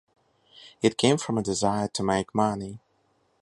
It came from a desire to make money.